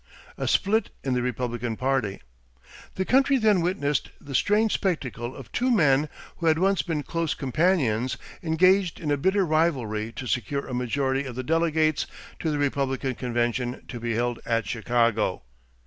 =The Split in the Republican Party.= The country then witnessed the strange spectacle of two men who had once been close companions engaged in a bitter rivalry to secure a majority of the delegates to the Republican convention to be held at Chicago.